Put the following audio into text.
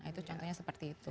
itu contohnya seperti itu